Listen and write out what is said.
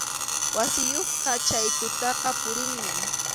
Wasiyuqqa chay tutaqa purinmi.